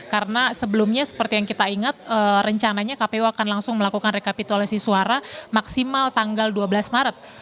karena sebelumnya seperti yang kita ingat rencananya kpu akan langsung melakukan rekapitulasi suara maksimal tanggal dua belas maret